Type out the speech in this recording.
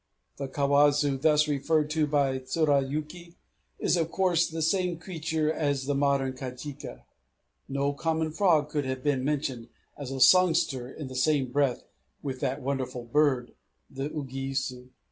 The kawazu thus referred to by Tsurayuki is of course the same creature as the modern kajika: no common frog could have been mentioned as a songster in the same breath with that wonderful bird, the uguisu.